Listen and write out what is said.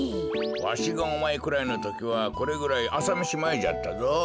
わしがおまえくらいのときはこれぐらいあさめしまえじゃったぞ。